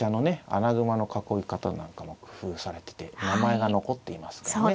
穴熊の囲い方なんかも工夫されてて名前が残っていますからね。